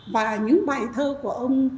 và những bài thơ của ống